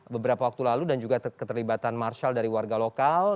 beberapa waktu lalu dan juga keterlibatan marshall dari warga lokal